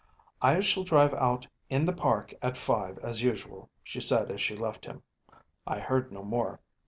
‚ÄėI shall drive out in the park at five as usual,’ she said as she left him. I heard no more.